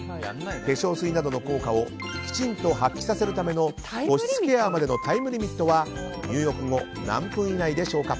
化粧水などの効果をきちんと発揮させるための保湿ケアまでのタイムリミットは入浴後、何分以内でしょうか？